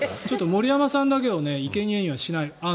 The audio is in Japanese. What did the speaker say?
森山さんだけをいけにえにはしない。